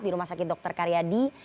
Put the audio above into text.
di rumah sakit dr karyadi